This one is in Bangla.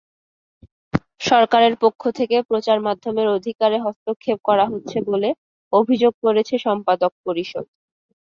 সরকারের পক্ষ থেকে প্রচারমাধ্যমের অধিকারে হস্তক্ষেপ করা হচ্ছে বলে অভিযোগ করেছে সম্পাদক পরিষদ।